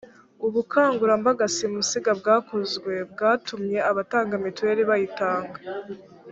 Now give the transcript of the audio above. ubukangurambaga simusiga bwakozwe byatumye abatanga mituweli bayitanga